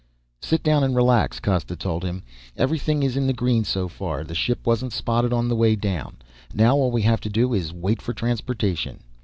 "Sit down and relax," Costa told him. "Everything is in the green so far. The ship wasn't spotted on the way down. Now all we have to do is wait for transportation."